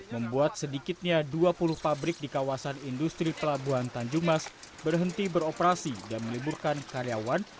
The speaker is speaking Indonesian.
membuat sedikitnya dua puluh pabrik di kawasan industri pelabuhan tanjung mas berhenti beroperasi dan meliburkan karyawan